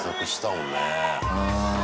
うん。